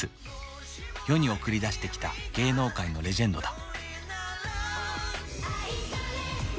世に送り出してきた芸能界のレジェンドだ。